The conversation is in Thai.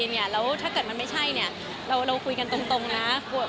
แล้วถ้าเกิดมันไม่ใช่เนี่ยเราคุยกันตรงนะ